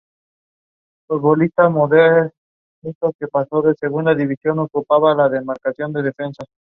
Tras completar sus estudios regresa a Vitoria donde establece un bufete de abogado.